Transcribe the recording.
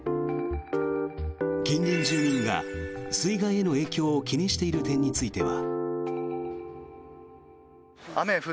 近隣住民が水害への影響を気にしている点については。